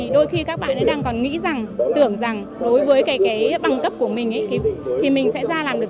đôi khi các bạn ấy đang còn nghĩ rằng tưởng rằng đối với cái bằng cấp của mình thì mình sẽ ra làm được